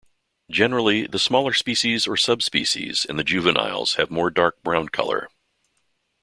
Generally the smaller species or subspecies and the juveniles have more dark brown colour.